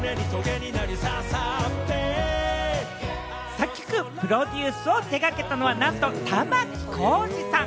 作曲・プロデュースを手がけたのは、なんと玉置浩二さん。